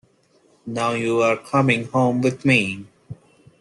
Now, you’re coming home with me.